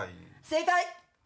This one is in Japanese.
正解！